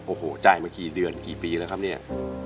โอ้โหจ่ายมากี่เดือนกี่ปีแล้วครับเนี่ย